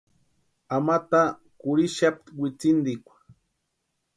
Ama taa kurhixapti witsintikwa.